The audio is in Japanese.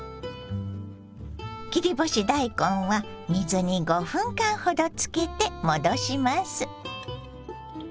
切り干し大根は水に５分間ほどつけて戻します。